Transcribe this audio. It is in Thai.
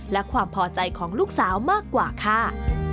และความพอใจของลูกสาวมากกว่าค่ะ